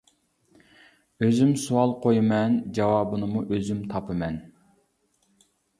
ئۆزۈم سوئال قويىمەن، جاۋابىنىمۇ ئۆزۈم تاپىمەن.